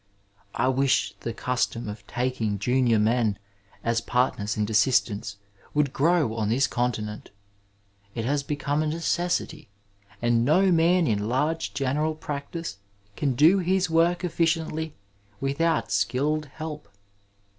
I wish the custom of toking junior men as partners and assistants would grow on this continent. It has become a necessity, and no man in large general practice can do his work efficiently without skilled help.